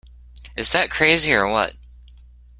Is that crazy or what?